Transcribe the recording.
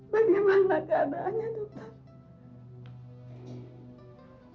bagaimana keadaannya dokter